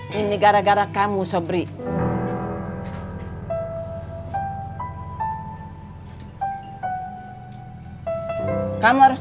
gue juga dikasih taunya habis maghrib